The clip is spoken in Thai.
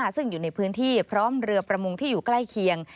ซึ่งอยู่ในพื้นที่พร้อมเรือประมงที่อยู่ใกล้เคียง